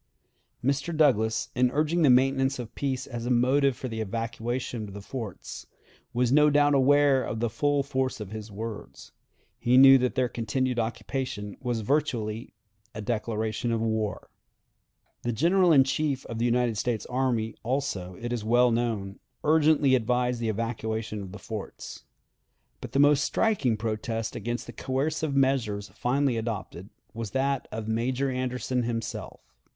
Mr. Douglas, in urging the maintenance of peace as a motive for the evacuation of the forts, was no doubt aware of the full force of his words. He knew that their continued occupation was virtually a declaration of war. The General in Chief of the United States Army, also, it is well known, urgently advised the evacuation of the forts. But the most striking protest against the coercive measures finally adopted was that of Major Anderson himself.